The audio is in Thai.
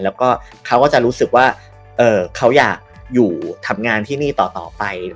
แล้วก็เขาก็จะรู้สึกว่าเขาอยากอยู่ทำงานที่นี่ต่อไป